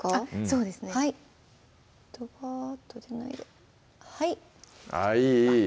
そうですねどばっと出ないようはいあっいいいい